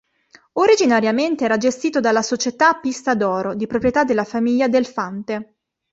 Originariamente era gestito dalla "Società pista d'oro", di proprietà della famiglia Del Fante.